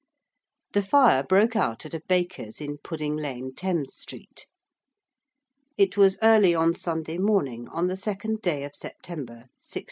The fire broke out at a baker's in Pudding Lane, Thames Street. It was early on Sunday morning on the second day of September, 1666.